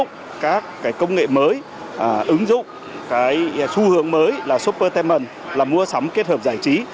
ứng dụng các công nghệ mới ứng dụng xu hướng mới là shopper temen là mua sắm kết hợp giải trí